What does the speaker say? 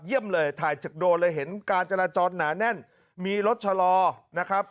เลยถ่ายจากโดรนเลยเห็นการจราจรหนาแน่นมีรถชะลอนะครับ